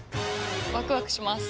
ワクワクします。